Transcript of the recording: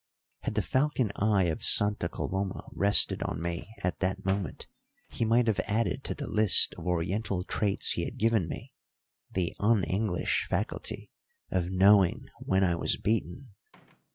Had the falcon eye of Santa Coloma rested on me at that moment he might have added to the list of Oriental traits he had given me the un English faculty of knowing when I was beaten.